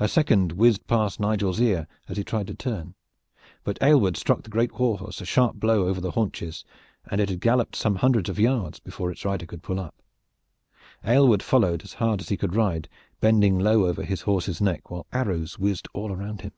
A second whizzed past Nigel's ear, as he tried to turn; but Aylward struck the great war horse a sharp blow over the haunches, and it had galloped some hundreds of yards before its rider could pull it up. Aylward followed as hard as he could ride, bending low over his horse's neck, while arrows whizzed all around him.